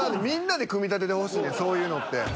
みんなで組み立ててほしいねんそういうのって。